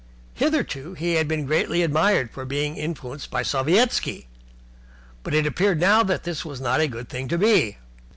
Hitherto he had been greatly admired for being influenced by Sovietski, but it appeared now that this was not a good thing to be.